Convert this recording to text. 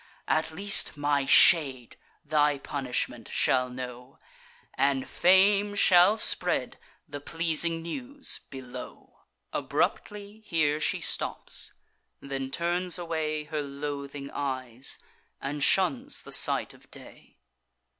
At least my shade thy punishment shall know, And Fame shall spread the pleasing news below." Abruptly here she stops; then turns away Her loathing eyes, and shuns the sight of day.